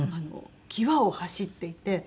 際を走っていて。